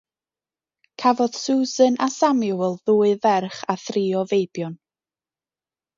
Cafodd Susan a Samuel ddwy ferch a thri o feibion.